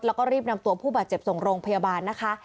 แล้วก็รีบนำตัวผู้บาดเจ็บส่งโรงพยาบาลนะคะ